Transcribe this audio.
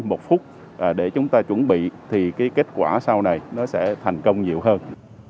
một phút để chúng ta chuẩn bị thì cái kết quả sau này nó sẽ thành công nhiều hơn